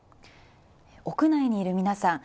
屋内にいる皆さん